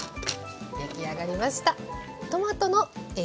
出来上がりました。